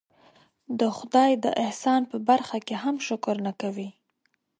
د خدای د احسان په برخه کې هم شکر نه کوي.